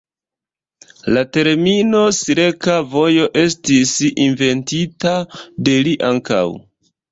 La termino "Silka Vojo" estis inventita de li ankaŭ.